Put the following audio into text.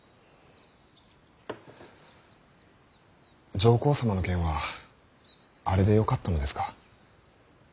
上皇様の件はあれでよかったのですか。